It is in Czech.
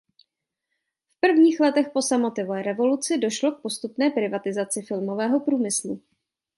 V prvních letech po sametové revoluci došlo k postupné privatizaci filmového průmyslu.